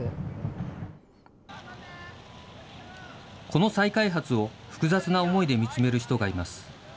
この再開発を複雑な思いで見つめる人がいます。